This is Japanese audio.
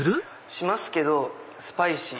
しますけどスパイシー。